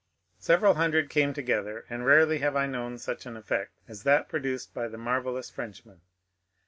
Several hundred came together, and rarely have I known such an effect as that produced by the marvellous Frenchman.